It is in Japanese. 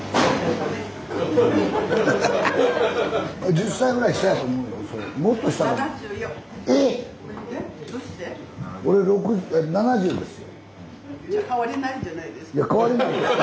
１０歳ぐらい下やと思うよ。